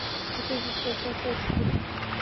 কিছু জিজ্ঞাসা করছি।